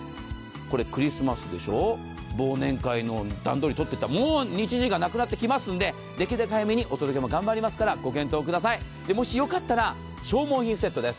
クリスマスでしょう、忘年会の段取りをとっていた、もう日時がなくなってきますので、できるだけ早くにお届けしますのでご検討ください、もしよかったら消耗品セットです。